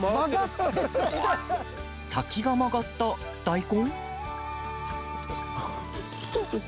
先が曲がった大根？